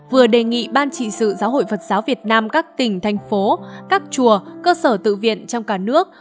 vừa đề nghị ban trị sự giáo hội phật giáo việt nam các tỉnh thành phố các chùa cơ sở tự viện trong cả nước